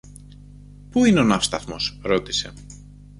Πού είναι ο ναύσταθμος; ρώτησε.